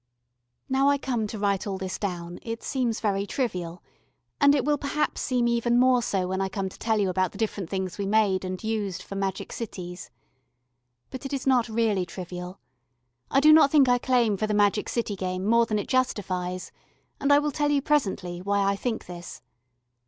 Now I come to write all this down it seems very trivial, and it will perhaps seem even more so when I come to tell you about the different things we made and used for magic cities. But it is not really trivial. I do not think I claim for the magic city game more than it justifies, and I will tell you, presently, why I think this.